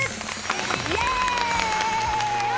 イエーイ！